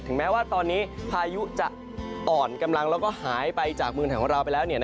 แม้ว่าตอนนี้พายุจะอ่อนกำลังแล้วก็หายไปจากเมืองไทยของเราไปแล้ว